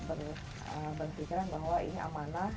berpikiran bahwa ini amanah